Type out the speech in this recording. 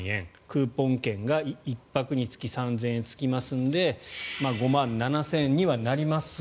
クーポン券が１泊につき３０００円つきますので５万７０００円にはなります。